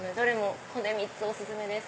これ３つお薦めです。